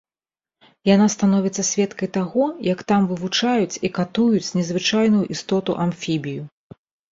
Яна становіцца сведкай таго, як там вывучаюць і катуюць незвычайную істоту-амфібію.